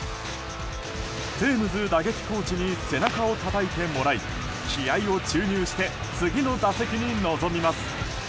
テームズ打撃コーチに背中をたたいてもらい気合を注入して次の打席に臨みます。